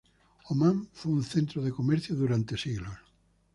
Omán fue un centro de comercio durante siglos.